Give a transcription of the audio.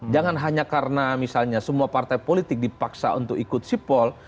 jangan hanya karena misalnya semua partai politik dipaksa untuk ikut sipol